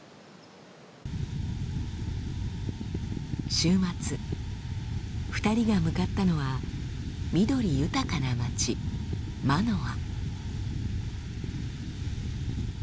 週末２人が向かったのは緑豊かな街マノア。